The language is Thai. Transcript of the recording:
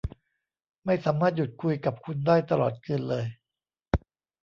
ไม่สามารถหยุดคุยกับคุณได้ตลอดคืนเลย